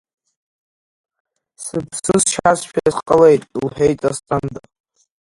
Сԥсы сшьазшәа сҟалеит, — лҳәеит Асҭанда.